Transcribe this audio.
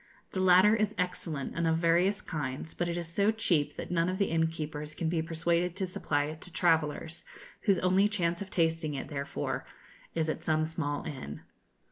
The latter is excellent and of various kinds, but it is so cheap that none of the innkeepers can be persuaded to supply it to travellers, whose only chance of tasting it, therefore, is at some small inn.